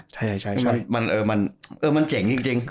ใช่มันเจ๋งจริง